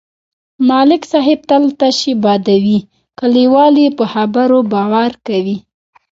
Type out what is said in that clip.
ملک صاحب تل تشې بادوي، کلیوال یې په خبرو باور کوي.